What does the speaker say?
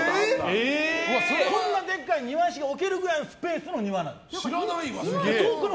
こんなでっかい庭石が置けるくらいのスペースなの。